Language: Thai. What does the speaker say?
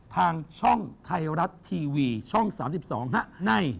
ทางช่องไทยรัฐทีวีช่อง๓๒ใน